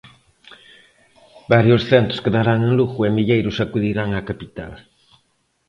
Varios centos quedarán en Lugo e milleiros acudirán á capital.